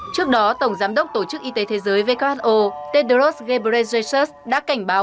trước đó tổng giám đốc tổ chức y tế thế giới who tedros ghebreyesus đã cảnh báo